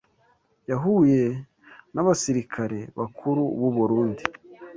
yahuye n’abasirikare bakuru b’u Burundi